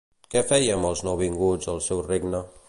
Què feia amb els nouvinguts al seu regne?